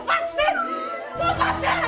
pergi kau pergi